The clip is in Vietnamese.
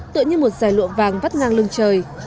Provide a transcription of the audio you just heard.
tựa như một giải lụa vàng vắt ngang lưng trời